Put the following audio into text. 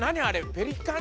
ペリカン？